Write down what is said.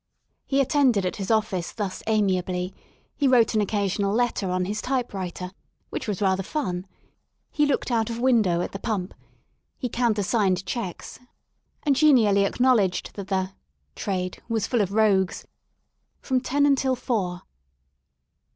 He attended at his office thus amiably, he wrote an occasional letter on his typewriter, which was rather fun, he looked out of window at the Pump, he counter signed cheques, and genially acknowledged that the ,, Trade was full of rogues, from ten until four.